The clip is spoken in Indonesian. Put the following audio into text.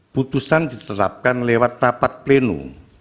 putusan ditetapkan lewat tapak plenum